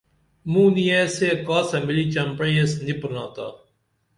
موں نِیہ سے کاسہ ملی چمپعی ایس نی پرِنا تا